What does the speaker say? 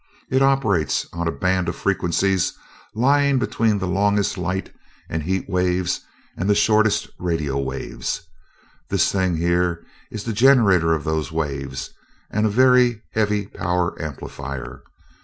It operates on a band of frequencies lying between the longest light and heat waves and the shortest radio waves. This thing here is the generator of those waves and a very heavy power amplifier.